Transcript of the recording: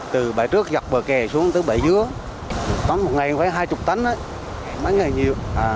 từ bãi trước dọc bờ kè xuống tới bãi dưới có một ngày khoảng hai mươi tấn mấy ngày nhiều